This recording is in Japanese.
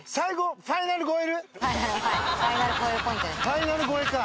ファイナル超えか。